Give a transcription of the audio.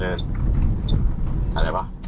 เห็นได้ป่ะ